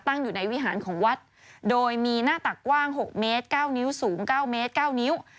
ตั้งอยู่ในวิหารของวัดโดยมีหน้าตักกว้าง๖เมตร๙นิ้วสูง๙เมตร๙นิ้ว